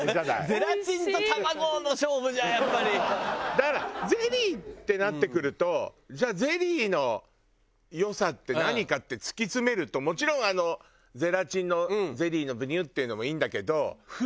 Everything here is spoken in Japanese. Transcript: だからゼリーってなってくるとじゃあゼリーの良さって何かって突き詰めるともちろんあのゼラチンのゼリーのブニュッていうのもいいんだけど。